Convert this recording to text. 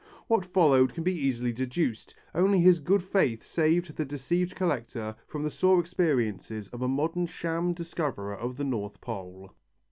What followed can be easily deduced. Only his good faith saved the deceived collector from the sore experiences of a modern sham discoverer of the North Pole.